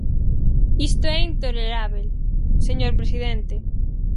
Isto é intolerable, señor presidente.